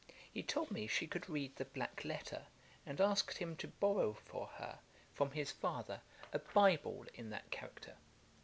He told me she could read the black letter, and asked him to borrow for her, from his father, a bible in that character.